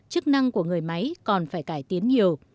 chức năng của người máy còn phải cải tiến nhiều